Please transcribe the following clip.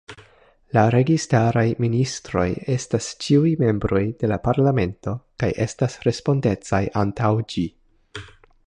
La registaraj ministroj estas ĉiuj membroj de la Parlamento, kaj estas respondecaj antaŭ ĝi.